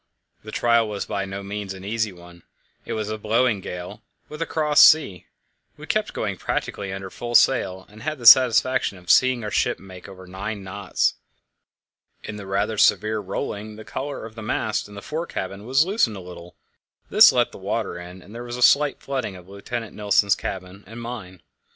The trial was by no means an easy one. It was blowing a gale, with a cross sea; we kept going practically under full sail, and had the satisfaction of seeing our ship make over nine knots. In the rather severe rolling the collar of the mast in the fore cabin was loosened a little; this let the water in, and there was a slight flooding of Lieutenant Nilsen's cabin and mine.